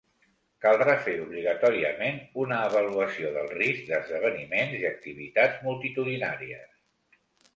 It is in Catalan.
Caldrà fer obligatòriament una avaluació del risc d’esdeveniments i activitats multitudinàries.